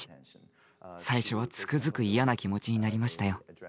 最初はつくづく嫌な気持ちになりましたよ。